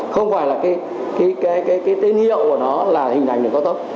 không phải là cái tên hiệu của nó là hình ảnh đường cao tốc